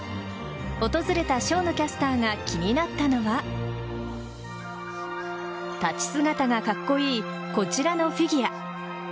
訪れた生野キャスターが気になったのは立ち姿がカッコイイこちらのフィギュア。